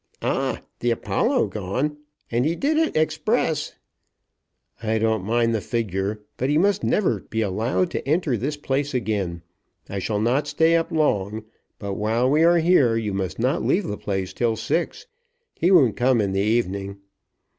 "Ah; the Apollo gone! And he did it express!" "I don't mind the figure; but he must never be allowed to enter the place again. I shall not stay up long, but while we are here you must not leave the place till six. He won't come in the evening."